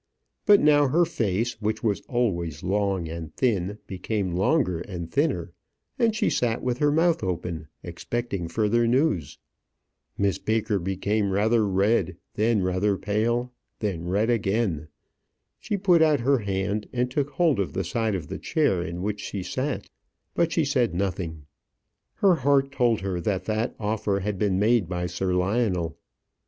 But now her face, which was always long and thin, became longer and thinner, and she sat with her mouth open, expecting further news. Miss Baker became rather red, then rather pale, and then red again. She put out her hand, and took hold of the side of the chair in which she sat; but she said nothing. Her heart told her that that offer had been made by Sir Lionel.